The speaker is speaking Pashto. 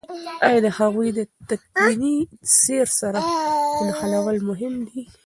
آیا د هغوی تکويني سير سره نښلول مهم دي؟